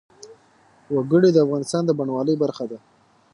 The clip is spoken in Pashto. وګړي د افغانستان د بڼوالۍ برخه ده.